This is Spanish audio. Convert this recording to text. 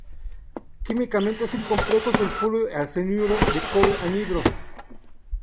Químicamente es un complejo sulfuro y arseniuro de cobre, anhidro.